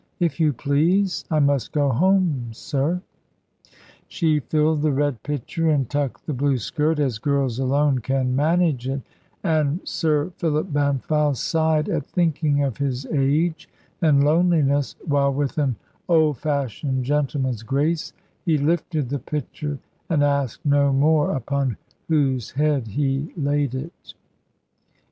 If you please, I must go home, sir." She filled the red pitcher, and tucked the blue skirt, as girls alone can manage it; and Sir Philip Bampfylde sighed at thinking of his age and loneliness, while with an old fashioned gentleman's grace he lifted the pitcher and asked no more upon whose head he laid it.